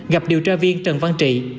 gặp điều tra viên trần văn trị